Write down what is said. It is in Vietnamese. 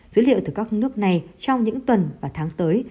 dữ liệu từ các nước này trong những tuần và tháng tới